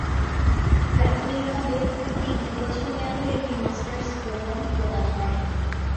প্রাথমিকভাবে, এটি দুই বছর মেয়াদের একটি মাস্টার্স প্রোগ্রাম প্রদান করে।